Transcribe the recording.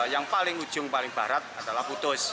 yang paling ujung paling barat adalah putus